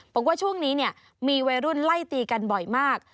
บอกว่าช่วงนี้เนี่ยมีวัยรุ่นไล่ตีกันบ่อยมาก